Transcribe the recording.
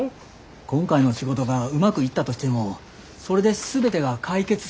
今回の仕事がうまくいったとしてもそれで全てが解決するわけやありません。